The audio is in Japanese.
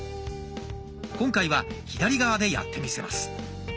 今回は左側でやってみせます。